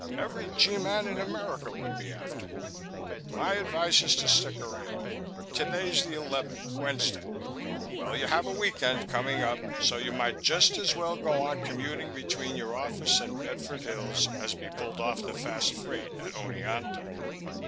Every G man in America would be after you. My advice is to stick around. Today's the eleventh, Wednesday. Well, you have a week end coming up, so you might just as well go on commuting between your office and Bedford Hills as be pulled off the fast freight at Oneonta."